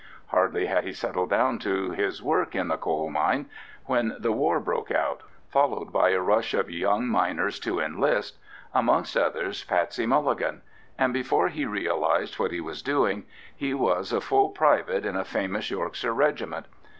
Hardly had he settled down to his work in the coal mine when the war broke out, followed by a rush of young miners to enlist, amongst others Patsey Mulligan; and before he realised what he was doing, he was a full private in a famous Yorkshire regiment.